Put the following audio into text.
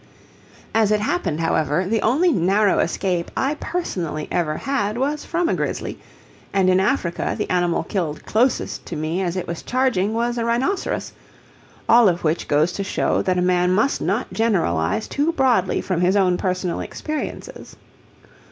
As it happened, however, the only narrow escape I personally ever had was from a grizzly, and in Africa the animal killed closest to me as it was charging was a rhinoceros all of which goes to show that a man must not generalize too broadly from his own personal experiences.